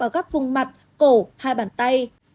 ở góc vùng mặt cổ hai bàn tay